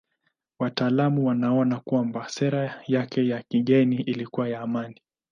Wataalamu wanaona kwamba sera yake ya kigeni ilikuwa ya amani.